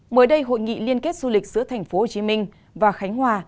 mới đây hội nghị liên kết du lịch giữa thành phố hồ chí minh và khánh hòa